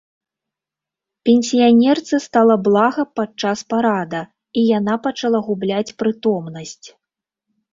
Пенсіянерцы стала блага падчас парада, і яна пачала губляць прытомнасць.